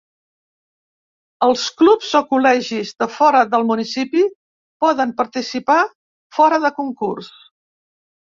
Els clubs o col·legis de fora del municipi poden participar fora de concurs.